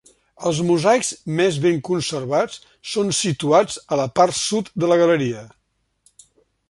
Els mosaics més ben conservats són situats a la part sud de la galeria.